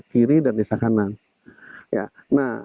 kiri dan desa kanan